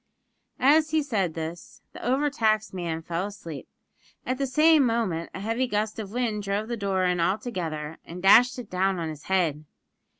As he said this the over taxed man fell asleep; at the same moment a heavy gust of wind drove the door in altogether, and dashed it down on his head.